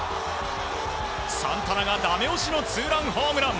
サンタナがダメ押しのツーランホームラン。